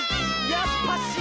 やっぱし。